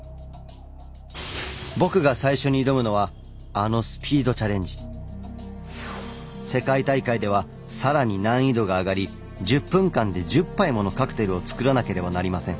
僕が最初に挑むのはあの世界大会では更に難易度が上がり１０分間で１０杯ものカクテルを作らなければなりません。